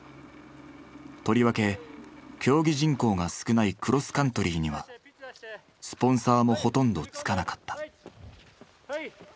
とりわけ競技人口が少ないクロスカントリーにはスポンサーもほとんどつかなかった。